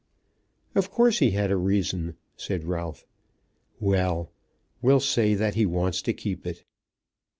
"Of course he had a reason," said Ralph. "Well; we'll say that he wants to keep it."